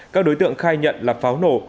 các đối tượng khai nhận là pháo nổ